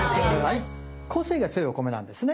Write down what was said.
個性が強いお米なんですね